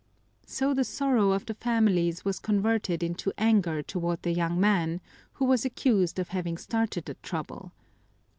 So the sorrow of the families was converted into anger toward the young man, who was accused of having started the trouble.